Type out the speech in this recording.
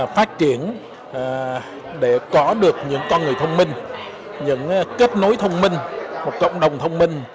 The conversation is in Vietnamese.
phát triển để có được những con người thông minh những kết nối thông minh một cộng đồng thông minh